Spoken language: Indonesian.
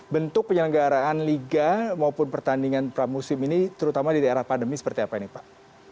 bentuk penyelenggaraan liga maupun pertandingan pramusim ini terutama di daerah pandemi seperti apa ini pak